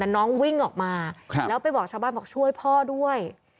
น้องวิ่งออกมาแล้วไปบอกชาวบ้านบอกช่วยพ่อด้วย